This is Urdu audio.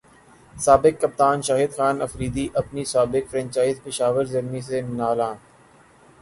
سابق کپتان شاہد خان فریدی اپنی سابق فرنچائز پشاور زلمی سے نالاں